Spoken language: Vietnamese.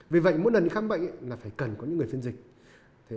vì vậy mỗi lần đi khám bệnh là phải cần có những người phiên dịch